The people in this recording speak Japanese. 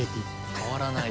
変わらない。